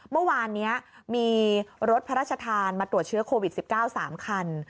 เมื่อวานนี้มีรถพระราชทานมาตรวจเชื้อโควิด๑๙๓คัน